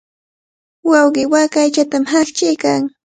Wawqii waaka aychatami haqchiykan.